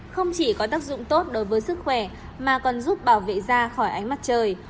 không chỉ có tác dụng tốt đối với sức khỏe mà còn giúp bảo vệ da khỏi ánh mắt trời